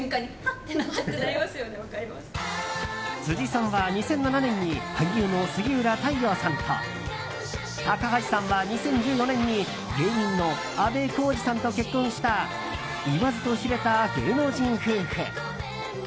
辻さんは２００７年に俳優の杉浦太陽さんと高橋さんは２０１４年に芸人のあべこうじさんと結婚した言わずと知れた芸能人夫婦。